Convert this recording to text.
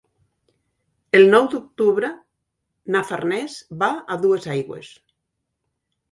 El nou d'octubre na Farners va a Duesaigües.